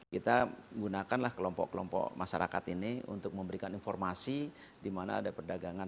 kita gunakanlah kelompok kelompok masyarakat ini untuk memberikan informasi di mana ada perdagangan